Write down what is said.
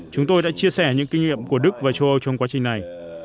chúng tôi đã chia sẻ những kinh nghiệm của đức và châu âu trong quá trình này